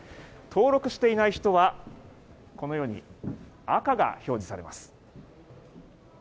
登録していない人はこのように赤が表示されます。